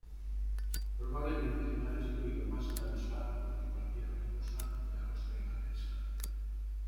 Probablemente ha destruido más naves barcos que cualquier otra cosa de la costa irlandesa.